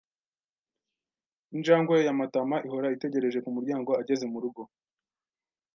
Injangwe ya Matama ihora itegereje kumuryango ageze murugo.